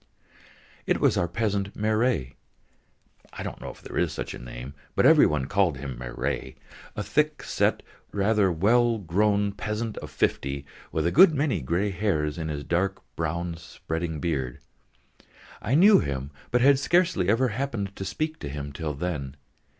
It was our peasant Marey. I don't know if there is such a name, but every one called him Marey a thick set, rather well grown peasant of fifty, with a good many grey hairs in his dark brown, spreading beard. I knew him, but had scarcely ever happened to speak to him till then.